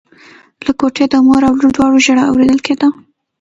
له کوټې د مور او لور دواړو ژړا اورېدل کېدله.